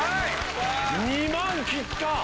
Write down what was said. ２万切った！